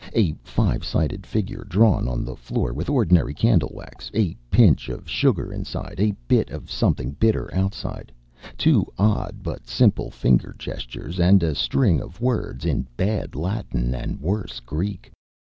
A five sided figure drawn on the floor with ordinary candle wax, a pinch of sugar inside, a bit of something bitter outside, two odd but simple finger gestures, and a string of words in bad Latin and worse Greek.